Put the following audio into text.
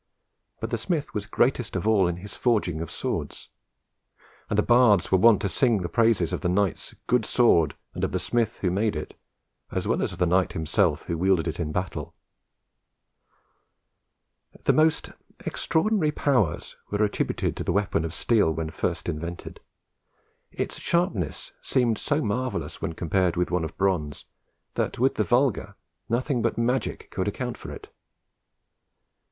But the smith was greatest of all in his forging of swords; and the bards were wont to sing the praises of the knight's "good sword" and of the smith who made it, as well as of the knight himself who wielded it in battle. The most extraordinary powers were attributed to the weapon of steel when first invented. Its sharpness seemed so marvellous when compared with one of bronze, that with the vulgar nothing but magic could account for it.